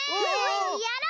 やろう！